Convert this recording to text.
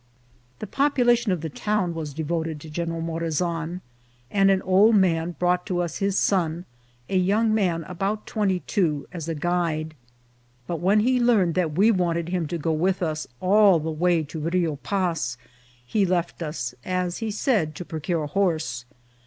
The population of the town was devoted to General Morazan, and an old man brought to us his son, a young man about twenty two, as a guide ; but when he learned 96 INCIDENTS OF TRAVEL. that we wanted him to go with us all the way to Rio Paz, he left us, as he said, to procure a horse.